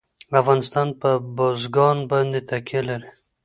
افغانستان په بزګان باندې تکیه لري.